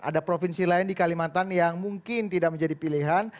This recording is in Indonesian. ada provinsi lain di kalimantan yang mungkin tidak menjadi pilihan